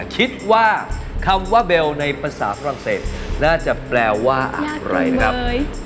คิดว่าคำว่าเบลในภาษาฝรั่งเศสน่าจะแปลว่าอะไรนะครับ